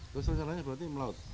terus secara lainnya berarti melaut